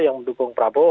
yang mendukung prabowo